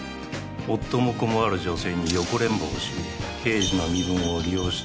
夫も子もある女性に横恋慕をし刑事の身分を利用して